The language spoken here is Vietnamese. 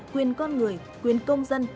quyền con người quyền công dân